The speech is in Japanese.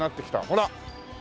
ほら！